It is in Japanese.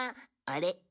あれ？